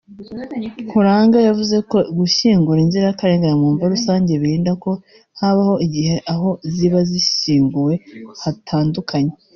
Nkuranga yavuze ko gushyingura inzirakarengane mu mva rusange birinda ko habaho igihe aho ziba zishyinguwe hatandukanye